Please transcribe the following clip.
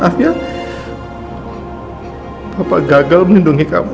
papa gagal melindungi kamu